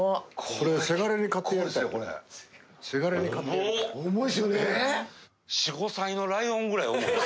これせがれに買ってやりたい